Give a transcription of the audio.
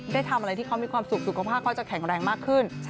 ได้ทำอะไรที่เขามีความสุขสุขภาพเขาจะแข็งแรงมากขึ้น